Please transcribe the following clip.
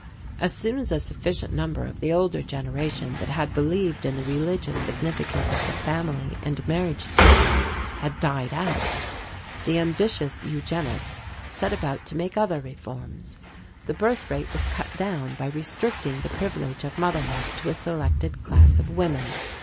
"As soon as a sufficient number of the older generation that had believed in the religious significance of the family and marriage system had died out, the ambitious eugenists set about to make other reforms. The birth rate was cut down by restricting the privilege of motherhood to a selected class of women.